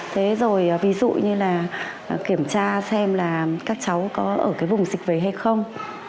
thế rồi ví dụ như là kiểm tra xem là các cháu có ở cái vùng dịch về hay không